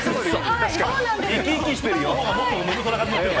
しかも生き生きしてるよ。